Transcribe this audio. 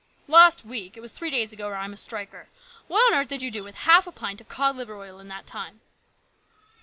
" Last week ! It was three days ago, or I'm a striker. What on earth did you do with half a pint of cod liver oil in that time